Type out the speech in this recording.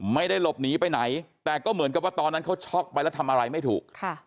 ไม่ได้หลบหนีไปไหนแต่ก็เหมือนกับว่าตอนนั้นเขาช็อกไปแล้วทำอะไรไม่ถูก